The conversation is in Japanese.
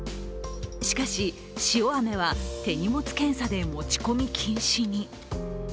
しかし、塩あめは手荷物検査で持ち込み禁止に。